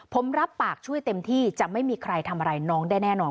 ผมรับปากช่วยเต็มที่จะไม่มีใครทำอะไรน้องได้แน่นอน